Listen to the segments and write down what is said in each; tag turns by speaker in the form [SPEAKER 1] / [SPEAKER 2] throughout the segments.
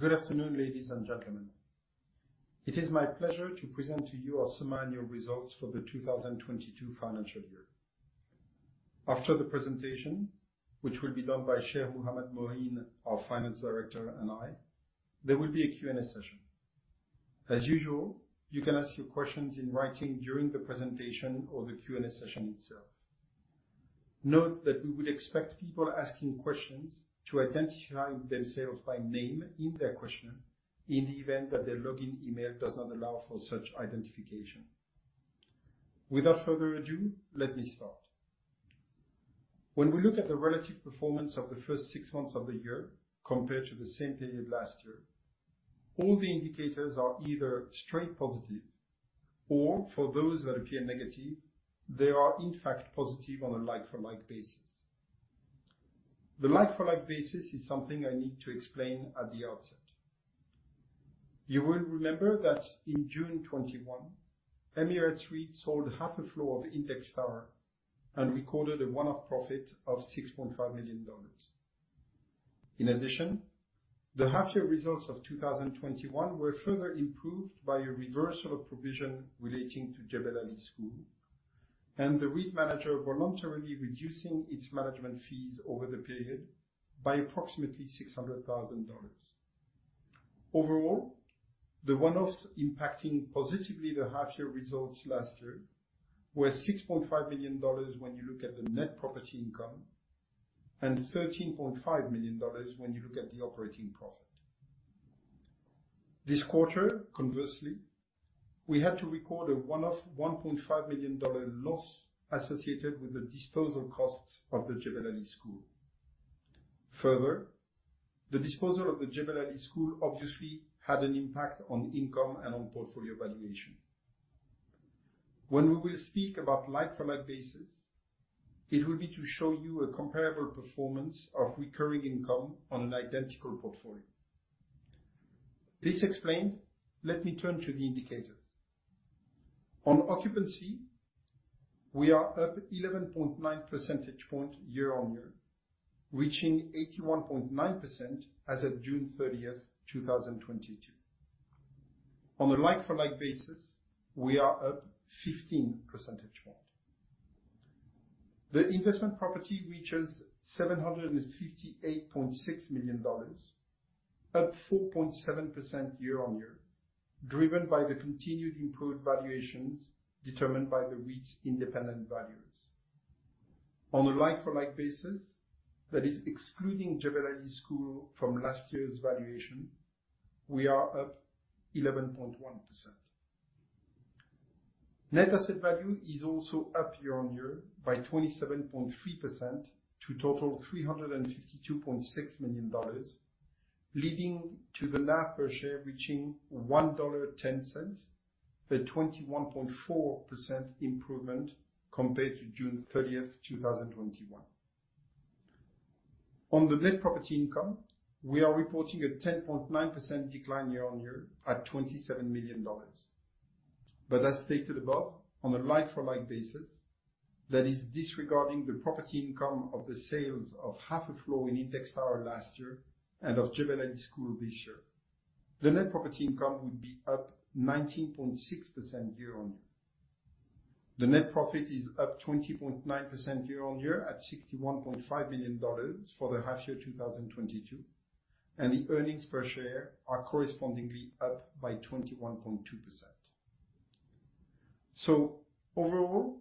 [SPEAKER 1] Good afternoon, ladies and gentlemen. It is my pleasure to present to you our semi-annual results for the 2022 financial year. After the presentation, which will be done by Sheikh Muhammed Moeen, our Finance Director, and I, there will be a Q&A session. As usual, you can ask your questions in writing during the presentation or the Q&A session itself. Note that we would expect people asking questions to identify themselves by name in their question in the event that their login email does not allow for such identification. Without further ado, let me start. When we look at the relative performance of the first six months of the year compared to the same period last year, all the indicators are either straight positive, or for those that appear negative, they are in fact positive on a like-for-like basis. The like for like basis is something I need to explain at the outset. You will remember that in June 2021, Emirates REIT sold half a floor of Index Tower and recorded a one-off profit of $6.5 million. In addition, the half year results of 2021 were further improved by a reversal of provision relating to Jebel Ali School and the REIT manager voluntarily reducing its management fees over the period by approximately $600 thousand. Overall, the one-offs impacting positively the half year results last year were $6.5 million when you look at the net property income and $13.5 million when you look at the operating profit. This quarter, conversely, we had to record a one-off $1.5 million dollar loss associated with the disposal costs of the Jebel Ali School. Further, the disposal of the Jebel Ali School obviously had an impact on income and on portfolio valuation. When we will speak about like for like basis, it will be to show you a comparable performance of recurring income on an identical portfolio. This explained, let me turn to the indicators. On occupancy, we are up 11.9 percentage points year-on-year, reaching 81.9% as of June 30, 2022. On a like for like basis, we are up 15 percentage points. The investment property reaches $758.6 million, up 4.7% year-on-year, driven by the continued improved valuations determined by the REIT's independent valuers. On a like for like basis, that is excluding Jebel Ali School from last year's valuation, we are up 11.1%. Net asset value is also up year-on-year by 27.3% to total $352.6 million, leading to the NAV per share reaching $1.10, a 21.4% improvement compared to June 30, 2021. On the net property income, we are reporting a 10.9% decline year-on-year at $27 million. As stated above, on a like-for-like basis, that is disregarding the property income of the sales of half a floor in Index Tower last year and of Jebel Ali School this year, the net property income would be up 19.6% year-on-year. The net profit is up 20.9% year-on-year at $61.5 million for the half year 2022, and the earnings per share are correspondingly up by 21.2%. Overall,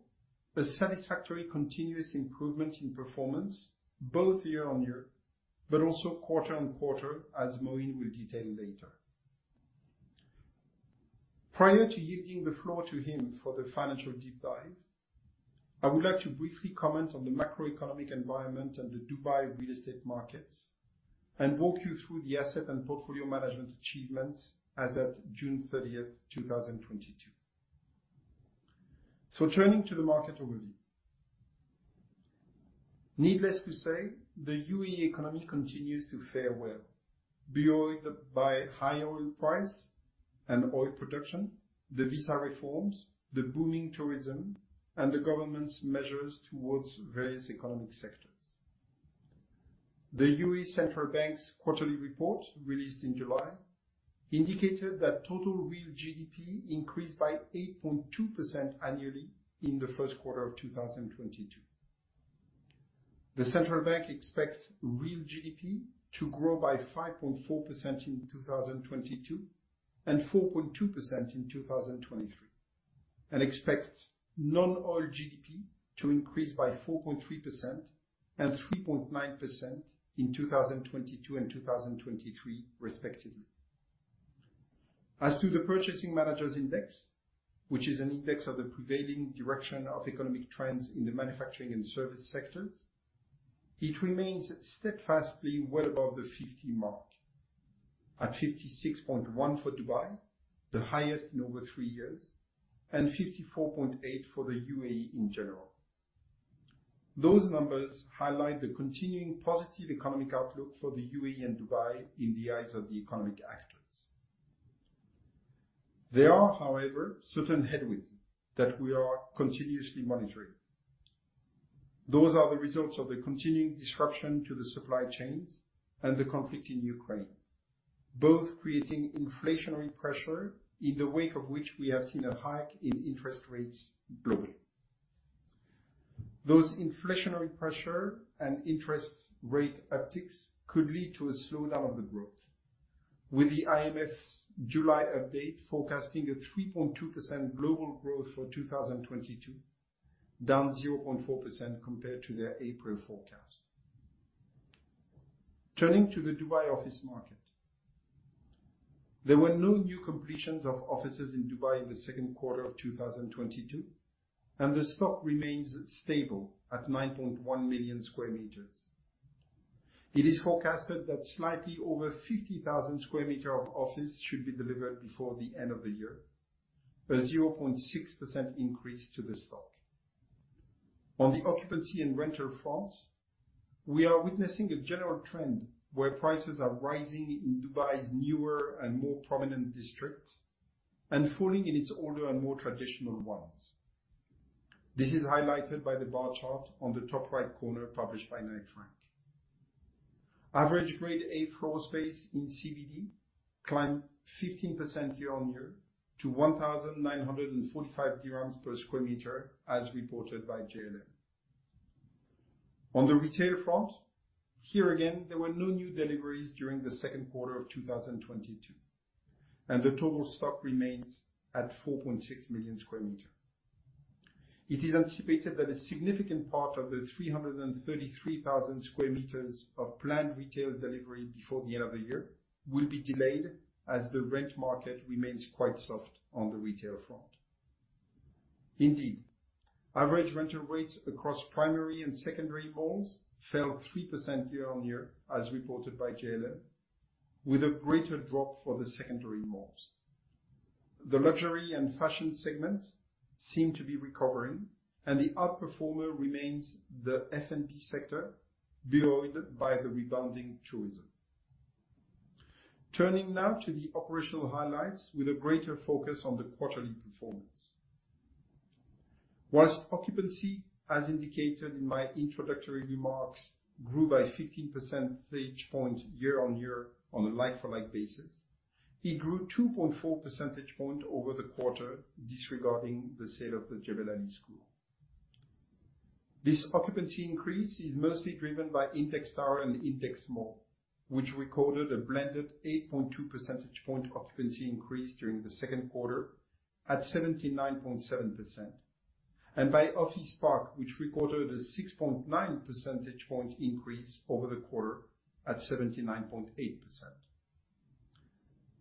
[SPEAKER 1] a satisfactory continuous improvement in performance both year-on-year but also quarter-on-quarter, as Moeen will detail later. Prior to yielding the floor to him for the financial deep dive, I would like to briefly comment on the macroeconomic environment and the Dubai real estate markets and walk you through the asset and portfolio management achievements as at June 30, 2022. Turning to the market overview. Needless to say, the UAE economy continues to fare well, buoyed by high oil price and oil production, the visa reforms, the booming tourism, and the government's measures towards various economic sectors. The Central Bank of the UAE's quarterly report, released in July, indicated that total real GDP increased by 8.2% annually in the first quarter of 2022. The Central Bank expects real GDP to grow by 5.4% in 2022 and 4.2% in 2023, and expects non-oil GDP to increase by 4.3% and 3.9% in 2022 and 2023 respectively. As to the Purchasing Managers' Index, which is an index of the prevailing direction of economic trends in the manufacturing and service sectors, it remains steadfastly well above the 50 mark, at 56.1 for Dubai, the highest in over three years, and 54.8 for the UAE in general. Those numbers highlight the continuing positive economic outlook for the UAE and Dubai in the eyes of the economic actors. There are, however, certain headwinds that we are continuously monitoring. Those are the results of the continuing disruption to the supply chains and the conflict in Ukraine, both creating inflationary pressure in the wake of which we have seen a hike in interest rates globally. Those inflationary pressure and interest rate upticks could lead to a slowdown of the growth, with the IMF's July update forecasting a 3.2% global growth for 2022, down 0.4% compared to their April forecast. Turning to the Dubai office market. There were no new completions of offices in Dubai in the second quarter of 2022, and the stock remains stable at 9.1 million square meters. It is forecasted that slightly over 50,000 sq m of office should be delivered before the end of the year. A 0.6% increase to the stock. On the occupancy and rental fronts, we are witnessing a general trend where prices are rising in Dubai's newer and more prominent districts and falling in its older and more traditional ones. This is highlighted by the bar chart on the top right corner published by Knight Frank. Average grade A floor space in CBD climbed 15% year-on-year to 1,945 dirhams per sq m, as reported by JLL. On the retail front, here again, there were no new deliveries during the second quarter of 2022, and the total stock remains at 4.6 million sq m. It is anticipated that a significant part of the 333,000 square meters of planned retail delivery before the end of the year will be delayed as the rent market remains quite soft on the retail front. Indeed, average rental rates across primary and secondary malls fell 3% year-on-year, as reported by JLL, with a greater drop for the secondary malls. The luxury and fashion segments seem to be recovering, and the outperformer remains the F&B sector, buoyed by the rebounding tourism. Turning now to the operational highlights with a greater focus on the quarterly performance. While occupancy, as indicated in my introductory remarks, grew by 15 percentage point year-on-year on a like-for-like basis, it grew 2.4 percentage point over the quarter, disregarding the sale of the Jebel Ali School. This occupancy increase is mostly driven by Index Tower and Index Mall, which recorded a blended 8.2 percentage point occupancy increase during the second quarter at 79.7%, and by Office Park, which recorded a 6.9 percentage point increase over the quarter at 79.8%.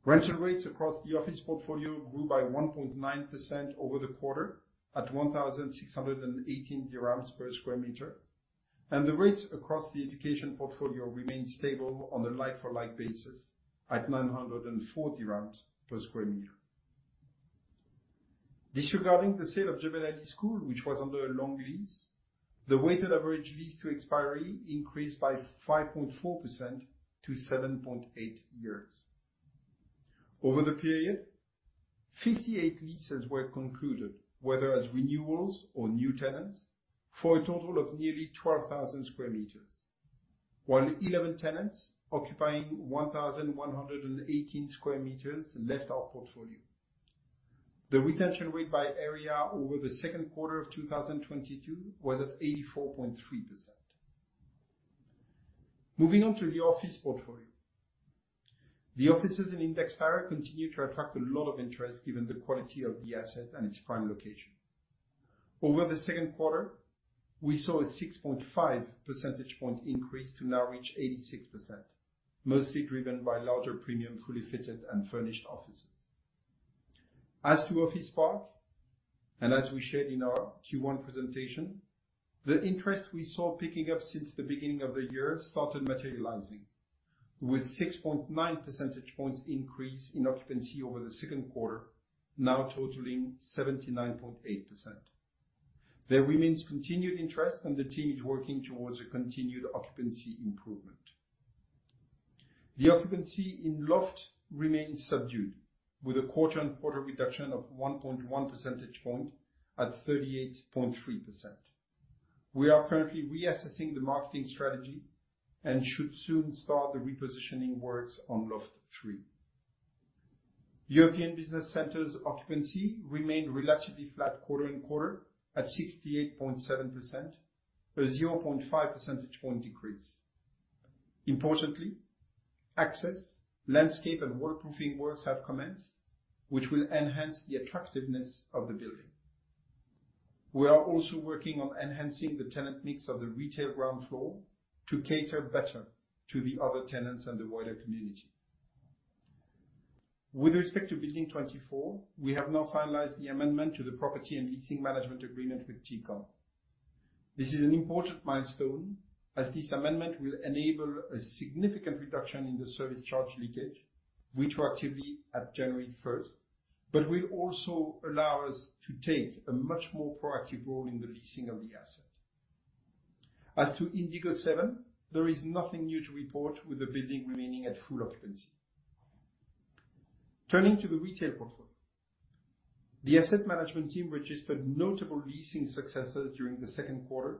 [SPEAKER 1] Rental rates across the office portfolio grew by 1.9% over the quarter at 1,618 dirhams per square meter, and the rates across the education portfolio remained stable on a like-for-like basis at AED 904 per square meter. Disregarding the sale of Jebel Ali School, which was under a long lease, the weighted average lease to expiry increased by 5.4% to 7.8 years. Over the period, 58 leases were concluded, whether as renewals or new tenants, for a total of nearly 12,000 square meters. While eleven tenants occupying 1,118 square meters left our portfolio. The retention rate by area over the second quarter of 2022 was at 84.3%. Moving on to the office portfolio. The offices in Index Tower continue to attract a lot of interest given the quality of the asset and its prime location. Over the second quarter, we saw a 6.5 percentage point increase to now reach 86%, mostly driven by larger premium fully fitted and furnished offices. As to Office Park, as we shared in our Q1 presentation, the interest we saw picking up since the beginning of the year started materializing with 6.9 percentage points increase in occupancy over the second quarter, now totaling 79.8%. There remains continued interest and the team is working towards a continued occupancy improvement. The occupancy in Loft remains subdued with a quarter-on-quarter reduction of 1.1 percentage point at 38.3%. We are currently reassessing the marketing strategy and should soon start the repositioning works on Loft Three. European Business Centre's occupancy remained relatively flat quarter-on-quarter at 68.7%, a 0.5 percentage point decrease. Importantly, access, landscape, and waterproofing works have commenced, which will enhance the attractiveness of the building. We are also working on enhancing the tenant mix of the retail ground floor to cater better to the other tenants and the wider community. With respect to Building 24, we have now finalized the amendment to the property and leasing management agreement with TECOM. This is an important milestone as this amendment will enable a significant reduction in the service charge leakage retroactively at January first, but will also allow us to take a much more proactive role in the leasing of the asset. As to Indigo Seven, there is nothing new to report with the building remaining at full occupancy. Turning to the retail portfolio. The asset management team registered notable leasing successes during the second quarter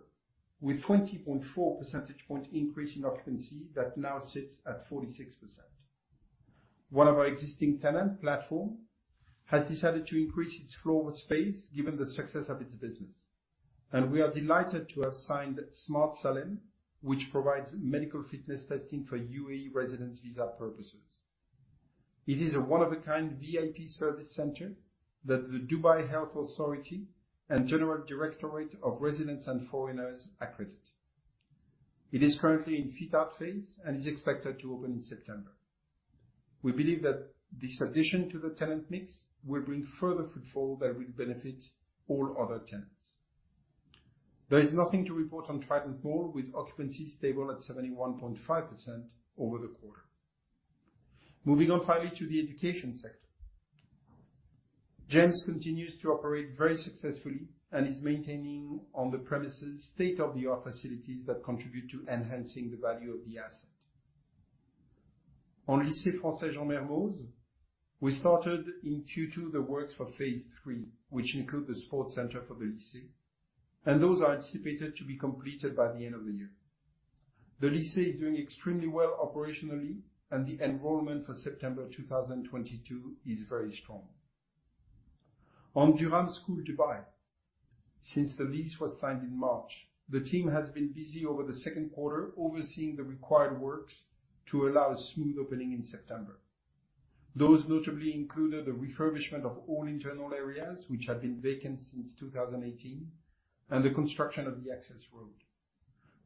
[SPEAKER 1] with 20.4 percentage point increase in occupancy that now sits at 46%. One of our existing tenant platform has decided to increase its floor space given the success of its business, and we are delighted to have signed Smart Salem, which provides medical fitness testing for UAE residence visa purposes. It is a one-of-a-kind VIP service center that the Dubai Health Authority and General Directorate of Residency and Foreigners Affairs accredit. It is currently in fit-out phase and is expected to open in September. We believe that this addition to the tenant mix will bring further footfall that will benefit all other tenants. There is nothing to report on Trident Mall with occupancy stable at 71.5% over the quarter. Moving on finally to the education sector. GEMS continues to operate very successfully and is maintaining on the premises state-of-the-art facilities that contribute to enhancing the value of the asset. On Lycée Français Jean-Mermoz, we started in Q2 the works for phase three, which include the sports center for the Lycée, and those are anticipated to be completed by the end of the year. The Lycée is doing extremely well operationally, and the enrollment for September 2022 is very strong. On Durham School Dubai. Since the lease was signed in March, the team has been busy over the second quarter overseeing the required works to allow a smooth opening in September. Those notably included the refurbishment of all internal areas which had been vacant since 2018, and the construction of the access road.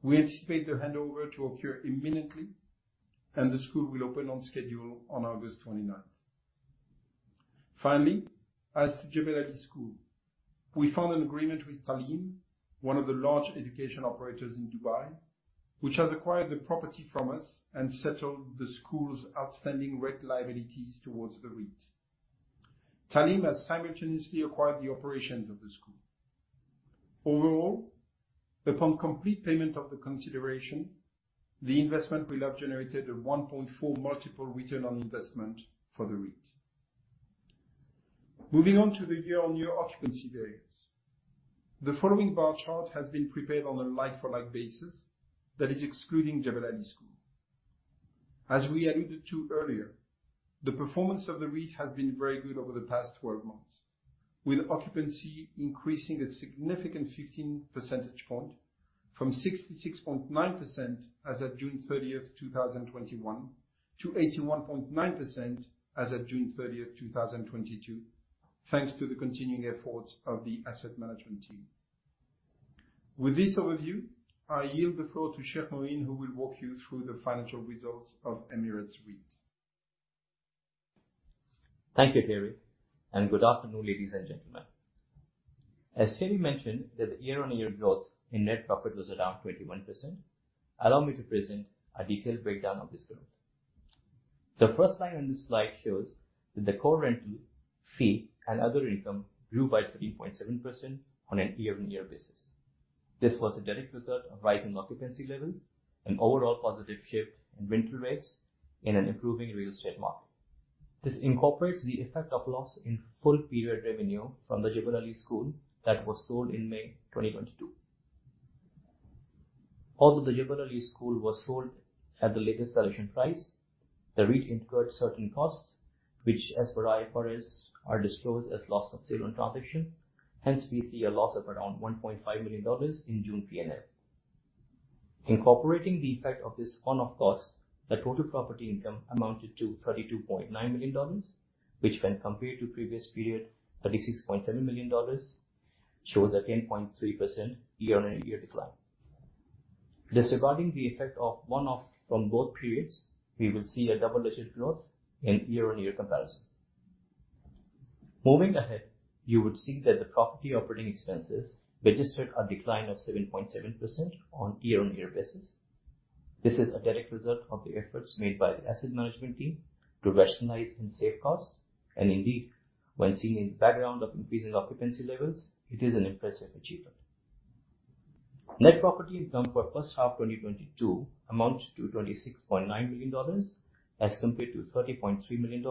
[SPEAKER 1] We anticipate the handover to occur imminently, and the school will open on schedule on August 29th. Finally, as to Jebel Ali School, we found an agreement with Taaleem, one of the large education operators in Dubai, which has acquired the property from us and settled the school's outstanding rent liabilities towards the REIT. Taaleem has simultaneously acquired the operations of the school. Overall, upon complete payment of the consideration, the investment will have generated a 1.4x return on investment for the REIT. Moving on to the year-on-year occupancy variance. The following bar chart has been prepared on a like-for-like basis that is excluding Jebel Ali School. As we alluded to earlier, the performance of the REIT has been very good over the past 12 months, with occupancy increasing a significant 15 percentage point from 66.9% as of June 30, 2021 to 81.9% as of June 30, 2022, thanks to the continuing efforts of the asset management team. With this overview, I yield the floor to Sheikh Muhammed Moeen, who will walk you through the financial results of Emirates REIT.
[SPEAKER 2] Thank you, Thierry. Good afternoon, ladies and gentlemen. As Thierry mentioned that the year-over-year growth in net profit was around 21%, allow me to present a detailed breakdown of this growth. The first line on this slide shows that the core rental fee and other income grew by 13.7% on a year-over-year basis. This was a direct result of rising occupancy levels, an overall positive shift in rental rates in an improving real estate market. This incorporates the effect of loss in full period revenue from the Jebel Ali School that was sold in May 2022. Although the Jebel Ali School was sold at the highest valuation price, the REIT incurred certain costs which as per IFRS are disclosed as loss on sale transaction. Hence, we see a loss of around $1.5 million in June P&L. Incorporating the effect of this one-off cost, the total property income amounted to $32.9 million, which when compared to previous period, $36.7 million, shows a 10.3% year-over-year decline. Disregarding the effect of one-off from both periods, we will see a double-digit growth in year-over-year comparison. Moving ahead, you would see that the property operating expenses registered a decline of 7.7% on year-over-year basis. This is a direct result of the efforts made by the asset management team to rationalize and save costs. Indeed, when seen in the background of increasing occupancy levels, it is an impressive achievement. Net property income for first half 2022 amounted to $26.9 million as compared to $30.3 million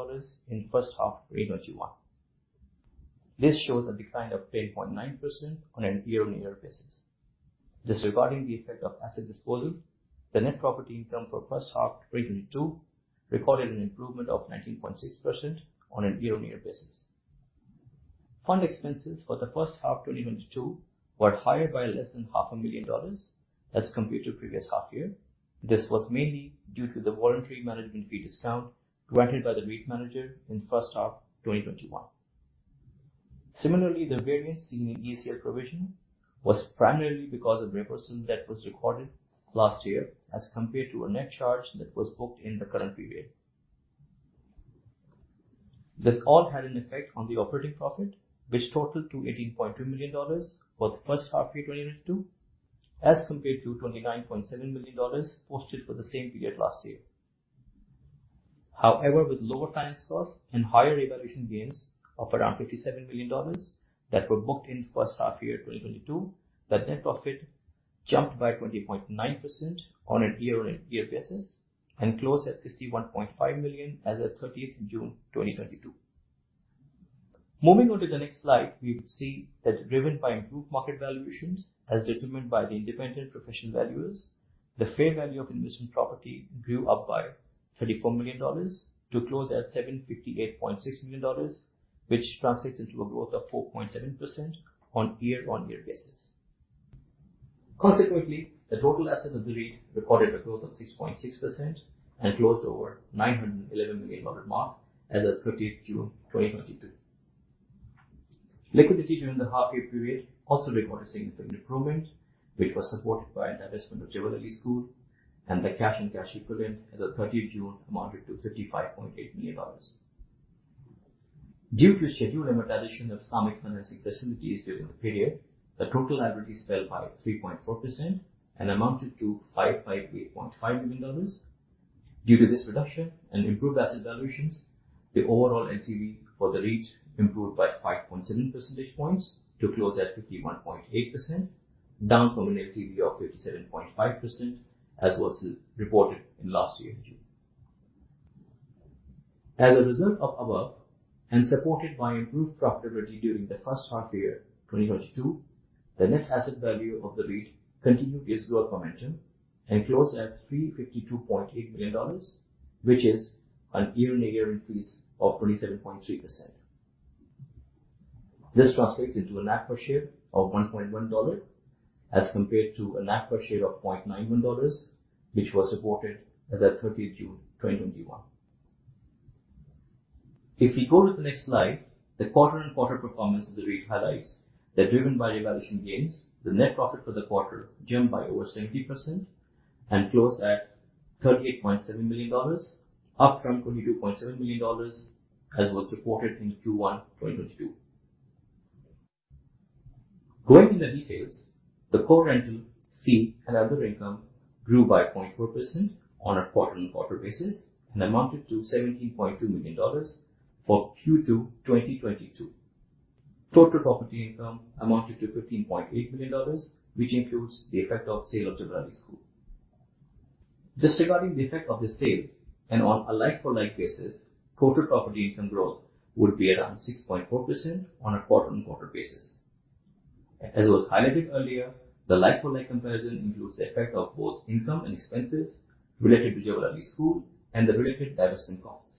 [SPEAKER 2] in first half 2021. This shows a decline of 10.9% on a year-on-year basis. Disregarding the effect of asset disposal, the net property income for first half 2022 recorded an improvement of 19.6% on a year-on-year basis. Fund expenses for the first half 2022 were higher by less than half a million dollars as compared to previous half year. This was mainly due to the voluntary management fee discount granted by the REIT manager in first half 2021. Similarly, the variance seen in ECL provision was primarily because of repricing that was recorded last year as compared to a net charge that was booked in the current period. This all had an effect on the operating profit, which totaled $18.2 million for the first half year 2022, as compared to $29.7 million posted for the same period last year. However, with lower finance costs and higher revaluation gains of around $57 million that were booked in the first half year 2022, the net profit jumped by 20.9% on a year-on-year basis and closed at $61.5 million as at 30th June 2022. Moving on to the next slide, we would see that driven by improved market valuations as determined by the independent professional valuers, the fair value of investment property grew by $34 million to close at $758.6 million which translates into a growth of 4.7% on year-on-year basis. Consequently, the total assets of the REIT recorded a growth of 6.6% and closed over the $911 million mark as at 30th June 2022. Liquidity during the half year period also recorded significant improvement which was supported by divestment of Jebel Ali School and the cash and cash equivalent as at 30th June amounted to $55.8 million. Due to scheduled amortization of Islamic financing facilities during the period, the total liabilities fell by 3.4% and amounted to $558.5 million. Due to this reduction and improved asset valuations, the overall LTV for the REIT improved by 5.7 percentage points to close at 51.8% down from an LTV of 57.5% as was reported in last year in June. As a result of above and supported by improved profitability during the first half year 2022, the net asset value of the REIT continued its growth momentum and closed at $352.8 million which is a year-on-year increase of 27.3%. This translates into a NAV per share of $1.1 as compared to a NAV per share of $0.91 which was reported as at thirtieth June 2021. If we go to the next slide, the quarter-on-quarter performance of the REIT highlights that driven by valuation gains, the net profit for the quarter jumped by over 70% and closed at $38.7 million, up from $22.7 million as was reported in Q1 2022. Going in the details, the core rental fee and other income grew by 0.4% on a quarter-over-quarter basis and amounted to $17.2 million for Q2 2022. Total property income amounted to $15.8 million, which includes the effect of sale of Jebel Ali School. Disregarding the effect of the sale and on a like-for-like basis, total property income growth would be around 6.4% on a quarter-over-quarter basis. As was highlighted earlier, the like-for-like comparison includes the effect of both income and expenses related to Jebel Ali School and the related divestment costs.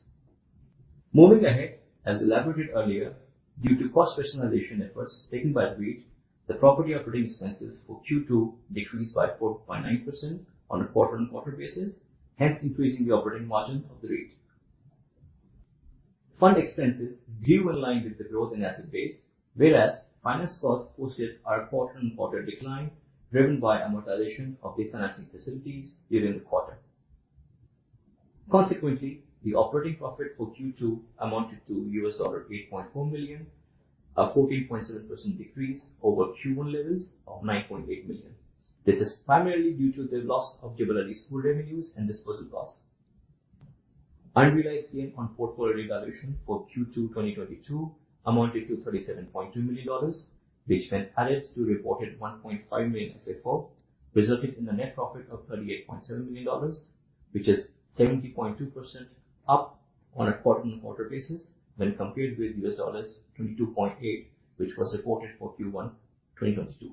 [SPEAKER 2] Moving ahead, as elaborated earlier, due to cost rationalization efforts taken by the REIT, the property operating expenses for Q2 decreased by 4.9% on a quarter-over-quarter basis, hence increasing the operating margin of the REIT. Fund expenses grew in line with the growth in asset base, whereas finance costs posted a quarter-on-quarter decline driven by amortization of the financing facilities during the quarter. Consequently, the operating profit for Q2 amounted to $8.4 million, a 14.7% decrease over Q1 levels of $9.8 million. This is primarily due to the loss of Jebel Ali School revenues and disposal costs. Unrealized gain on portfolio revaluation for Q2 2022 amounted to $37.2 million which when added to reported $1.5 million FFO resulted in a net profit of $38.7 million which is 70.2% up on a quarter-on-quarter basis when compared with $22.8 million which was reported for Q1 2022.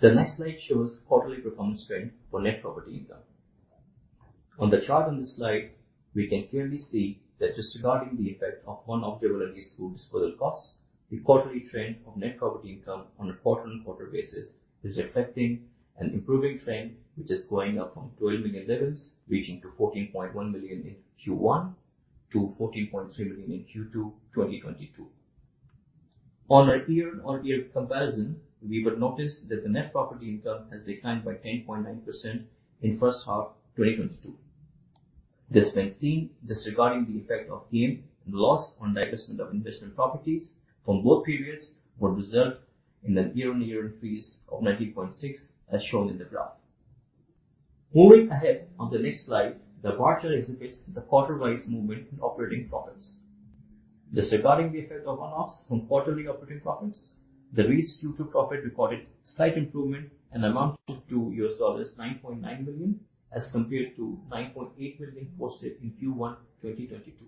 [SPEAKER 2] The next slide shows quarterly performance trend for net property income. On the chart on this slide, we can clearly see that disregarding the effect of one-off Jebel Ali School disposal costs, the quarterly trend of net property income on a quarter-on-quarter basis is reflecting an improving trend which is going up from $12 million levels reaching to $14.1 million in Q1 to $14.3 million in Q2 2022. On a year-on-year comparison, we would notice that the net property income has declined by 10.9% in first half 2022. This when seen disregarding the effect of gain and loss on divestment of investment properties from both periods would result in a year-on-year increase of 19.6% as shown in the graph. Moving ahead on the next slide, the bar chart exhibits the quarter-wise movement in operating profits. Disregarding the effect of one-offs from quarterly operating profits, the REIT's operating profit recorded slight improvement and amounted to $9.9 million as compared to $9.8 million posted in Q1 2022.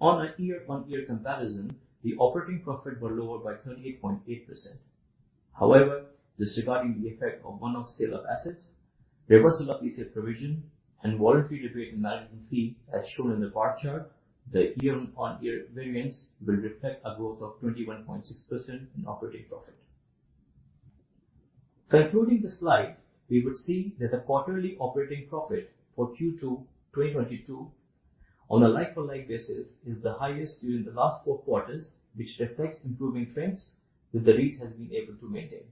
[SPEAKER 2] On a year-on-year comparison, the operating profit were lower by 38.8%. However, disregarding the effect of one-off sale of assets, reversal of lease-up provision, and warranty rebate and management fee as shown in the bar chart, the year-on-year variance will reflect a growth of 21.6% in operating profit. Concluding the slide, we would see that the quarterly operating profit for Q2 2022 on a like-for-like basis is the highest during the last four quarters which reflects improving trends that the REIT has been able to maintain.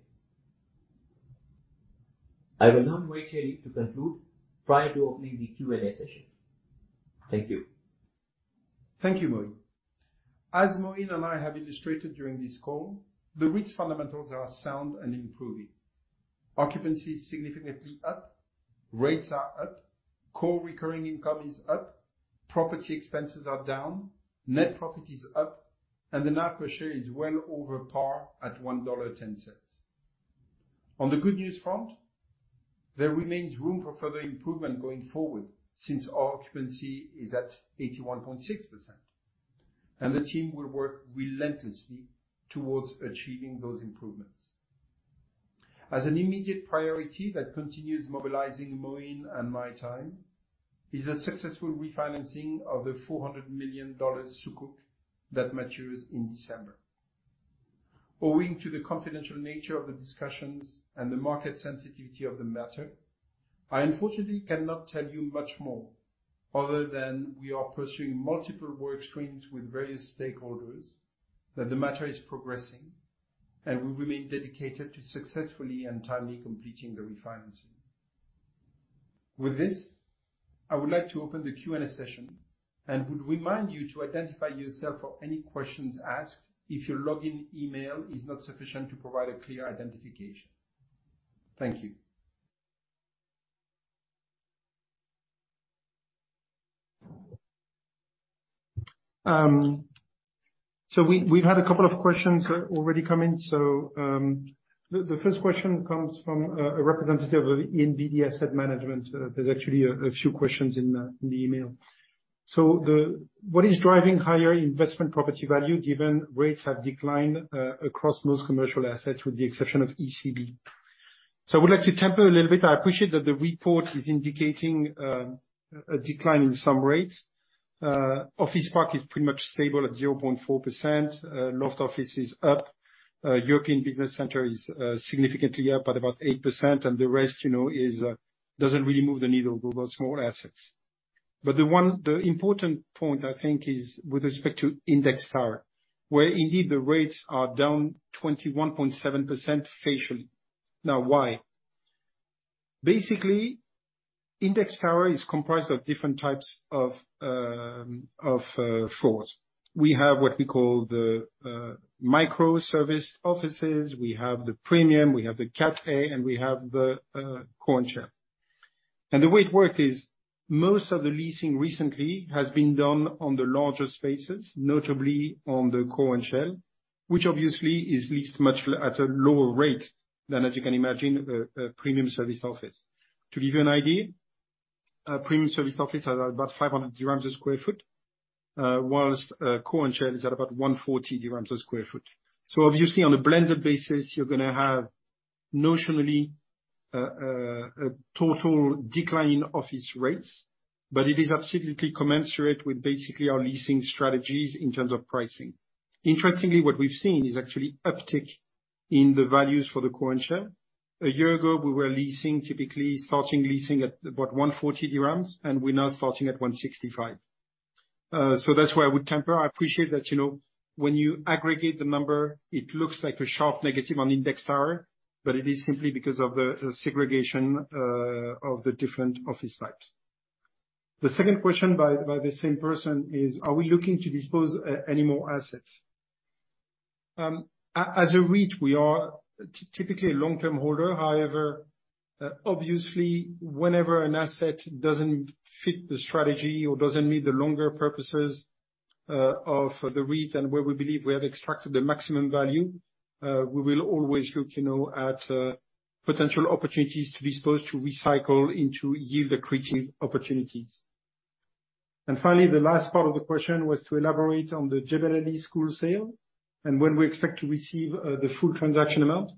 [SPEAKER 2] I will now invite Thierry to conclude prior to opening the Q&A session. Thank you.
[SPEAKER 1] Thank you, Moeen. As Moeen and I have illustrated during this call, the REIT's fundamentals are sound and improving. Occupancy is significantly up, rates are up, core recurring income is up, property expenses are down, net profit is up, and the NAV per share is well over par at $1.10. On the good news front, there remains room for further improvement going forward since our occupancy is at 81.6%, and the team will work relentlessly towards achieving those improvements. As an immediate priority that continues mobilizing Moeen and my time is a successful refinancing of the $400 million Sukuk that matures in December. Owing to the confidential nature of the discussions and the market sensitivity of the matter, I unfortunately cannot tell you much more other than we are pursuing multiple work streams with various stakeholders, that the matter is progressing, and we remain dedicated to successfully and timely completing the refinancing. With this, I would like to open the Q&A session and would remind you to identify yourself for any questions asked if your login email is not sufficient to provide a clear identification. Thank you. So we've had a couple of questions already come in. The first question comes from a representative of Emirates NBD Asset Management. There's actually a few questions in the email. What is driving higher investment property value given rates have declined across most commercial assets with the exception of EBC? I would like to temper a little bit. I appreciate that the report is indicating a decline in some rates. Office park is pretty much stable at 0.4%. Loft office is up. European business center is significantly up at about 8%, and the rest, you know, is, doesn't really move the needle, those are small assets. The important point I think is with respect to Index Tower, where indeed the rates are down 21.7% facially. Now, why? Basically, Index Tower is comprised of different types of floors. We have what we call the microservice offices, we have the premium, we have the Cat A, and we have the Core & Shell. The way it works is, most of the leasing recently has been done on the larger spaces, notably on the Core & Shell, which obviously is leased much lower than, as you can imagine, a premium service office. To give you an idea, a premium service office has about 500 dirhams per sq ft, while Core & Shell is at about 140 dirhams per sq ft. Obviously on a blended basis, you're gonna have notionally a total decline in office rates, but it is absolutely commensurate with basically our leasing strategies in terms of pricing. Interestingly, what we've seen is actually uptick in the values for the Core & Shell. A year ago, we were leasing typically at about 140 dirhams, and we're now starting at 165. That's why I would temper. I appreciate that, you know, when you aggregate the number, it looks like a sharp negative on Index Tower, but it is simply because of the segregation of the different office types. The second question by the same person is, are we looking to dispose any more assets? As a REIT, we are typically a long-term holder. However, obviously, whenever an asset doesn't fit the strategy or doesn't meet the longer purposes of the REIT and where we believe we have extracted the maximum value, we will always look, you know, at potential opportunities to dispose, to recycle into yield-accretive opportunities. Finally, the last part of the question was to elaborate on the Jebel Ali School sale and when we expect to receive the full transaction amount.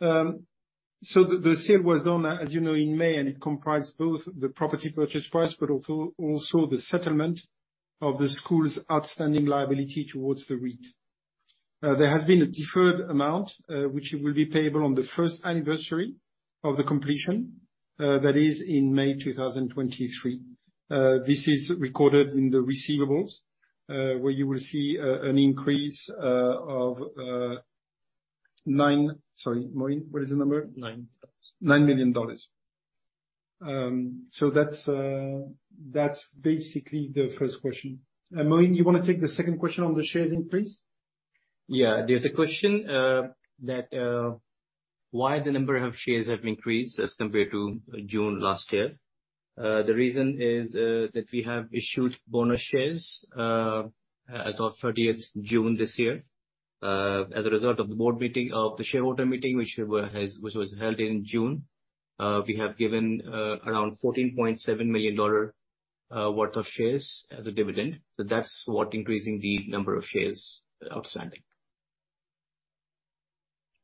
[SPEAKER 1] The sale was done, as you know, in May, and it comprised both the property purchase price but also the settlement of the school's outstanding liability towards the REIT. There has been a deferred amount, which will be payable on the first anniversary of the completion, that is in May 2023. This is recorded in the receivables, where you will see an increase of nine... Sorry, Moeen, what is the number?
[SPEAKER 2] Nine.
[SPEAKER 1] $9 million. So that's basically the first question. Moeen, you wanna take the second question on the shares increase?
[SPEAKER 2] Yeah. There's a question that why the number of shares have increased as compared to June last year. The reason is that we have issued bonus shares as of 30th June this year. As a result of the shareholder meeting, which was held in June, we have given around $14.7 million worth of shares as a dividend. That's what increasing the number of shares outstanding.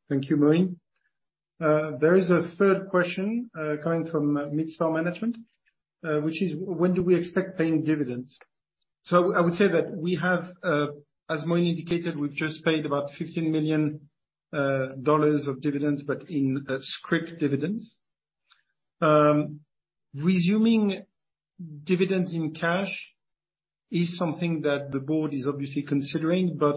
[SPEAKER 1] Thank you, Moeen. There is a third question coming from Mitchell Management, which is, when do we expect paying dividends? I would say that we have, as Moeen indicated, we've just paid about $15 million of dividends, but in scrip dividends. Resuming dividends in cash is something that the board is obviously considering, but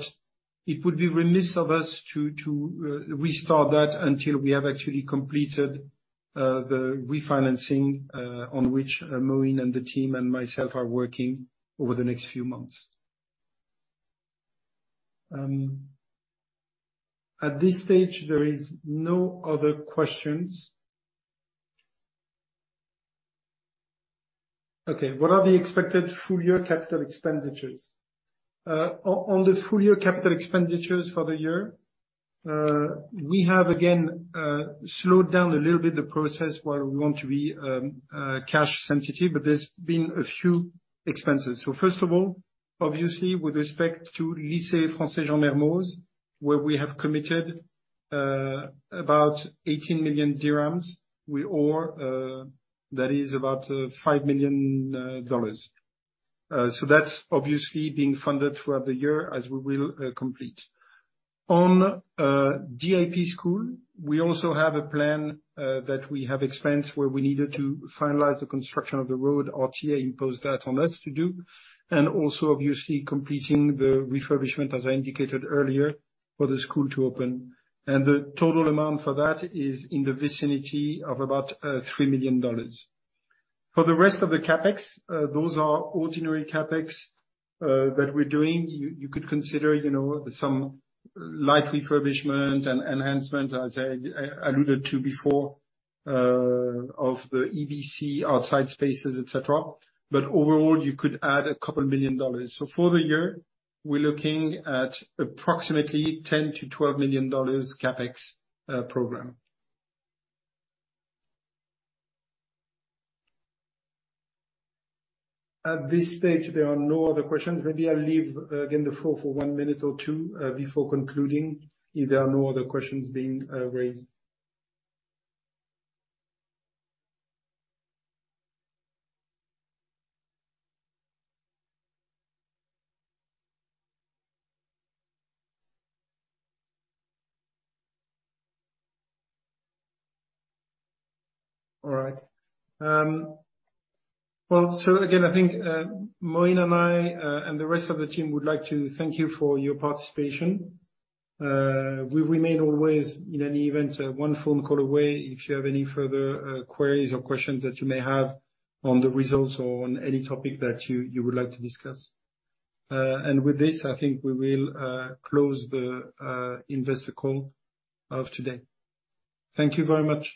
[SPEAKER 1] it would be remiss of us to restart that until we have actually completed the refinancing on which Moeen and the team and myself are working over the next few months. At this stage, there is no other questions. Okay. What are the expected full year capital expenditures? On the full year capital expenditures for the year, we have again slowed down a little bit the process while we want to be cash sensitive, but there's been a few expenses. First of all, obviously with respect to Lycée Français Jean Mermoz, where we have committed about 18 million dirhams, which is about $5 million. That's obviously being funded throughout the year as we will complete. On Durham School Dubai, we also have planned expenses where we needed to finalize the construction of the road. RTA imposed that on us to do. Also, obviously, completing the refurbishment, as I indicated earlier, for the school to open. The total amount for that is in the vicinity of about $3 million. For the rest of the CapEx, those are ordinary CapEx that we're doing. You could consider, you know, some light refurbishment and enhancement, as I alluded to before, of the EBC outside spaces, et cetera. Overall, you could add a couple million dollars. For the year, we're looking at approximately $10 million-$12 million CapEx program. At this stage, there are no other questions. Maybe I'll leave, again, the floor for one minute or two before concluding if there are no other questions being raised. All right. Again, I think, Moeen and I, and the rest of the team would like to thank you for your participation. We remain always, in any event, one phone call away if you have any further queries or questions that you may have on the results or on any topic that you would like to discuss. With this, I think we will close the investor call of today. Thank you very much.